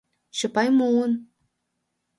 Чопай муын.